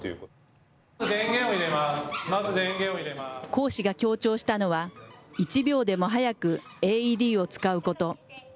講師が強調したのは、１秒でも早くＡＥＤを使うこと。